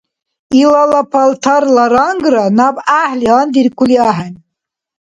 Илала палтарла рангра наб гӀяхӀли гьандиркули ахӀен.